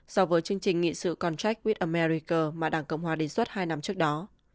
so với chương trình nghị sự contract with america mà đảng cộng hòa đề xuất hai năm trước đó